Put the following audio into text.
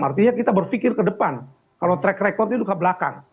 artinya kita berpikir ke depan kalau track record itu ke belakang